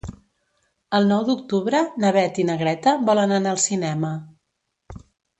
El nou d'octubre na Beth i na Greta volen anar al cinema.